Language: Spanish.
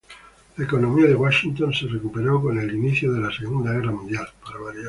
La economía de Washington se recuperó con el inicio de la Segunda Guerra Mundial.